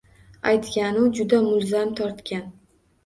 Aytganu juda mulzam tortgan.